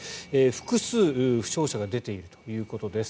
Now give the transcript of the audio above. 複数、負傷者が出ているということです。